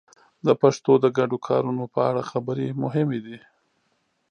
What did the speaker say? د پښتو د ګډو کارونو په اړه خبرې مهمې دي.